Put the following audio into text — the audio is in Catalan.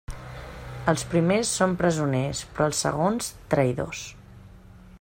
Els primers són presoners, però els segons traïdors.